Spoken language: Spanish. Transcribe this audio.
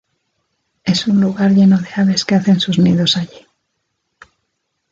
Es un lugar lleno de aves que hacen sus nidos allí.